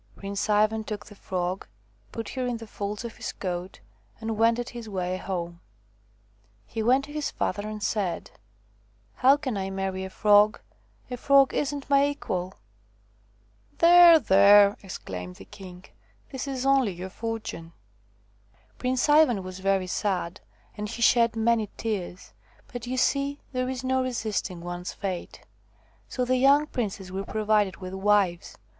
Prince Ivan took the Frog, put her in the folds of his coat, and wended his way home. He went to his father and said :" How can I marry a Frog? A Frog is n't my equal." H.EHrlHllHHZv, The Frog had his arrow THE FROG QUEEN 117 " There ! there ! f exclaimed the king, " this is only your fortune!' Prince Ivan was very sad, and he shed many tears, but you see there is no resisting one's fate. So the young princes were provided with wives.